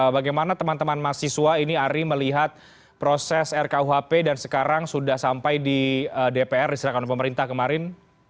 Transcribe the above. bagaimana teman teman mahasiswa ini ari melihat proses rkuhp dan sekarang sudah sampai di dpr diserahkan oleh pemerintah kemarin